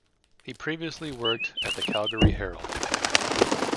He previously worked at the "Calgary Herald".